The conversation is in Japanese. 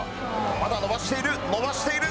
まだ伸ばしている、伸ばしている。